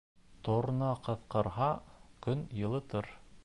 Торна ҡысҡырһа, көн йылытыр.